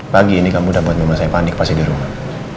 pagi ini kamu udah buat mama saya panik pas di rumah